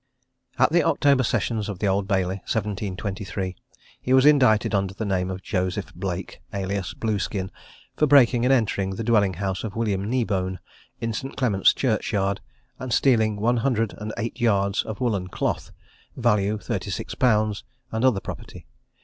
At the October sessions of the Old Bailey, 1723, he was indicted under the name of Joseph Blake, alias Blueskin, for breaking and entering the dwelling house of William Kneebone, in St. Clement's Church yard, and stealing one hundred and eight yards of woollen cloth, value thirty six pounds, and other property.